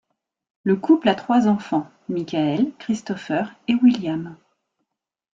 Le couple a trois enfants, Michael, Christopher, et William.